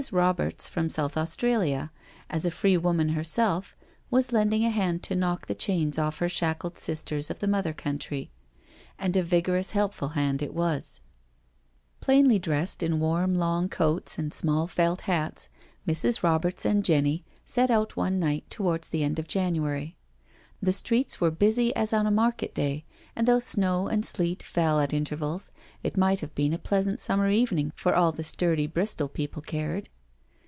Roberts, from South Australia, as a free woman herself, was lending a hand to knock the chains off her shackled sisters of the Mother Country^, and a vigorous, helpful hand it wasr ia6 _ NO SURRENDER Plainly dressed in warm long coats and small felt hats, Mrs. Roberts and Jenny set out one night towards the end of January. The streets were busy as on a market day, and though snow and sleet fell at intervals it might have been a pleasant sumider evening for all the sturdy Bristol people cared.